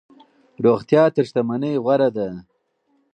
روغتیا تر شتمنۍ غوره ده.